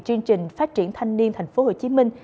chương trình phát triển thanh niên thành phố hồ chí minh